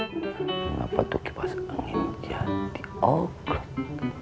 kenapa tukipas angin jadi oglet